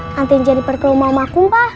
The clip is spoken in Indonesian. nanti jeniper ke rumah om akum pak